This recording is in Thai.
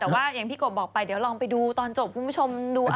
แต่ว่าอย่างที่กบบอกไปเดี๋ยวลองไปดูตอนจบคุณผู้ชมดู